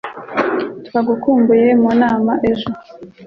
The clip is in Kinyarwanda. Twagukumbuye mu nama ejo.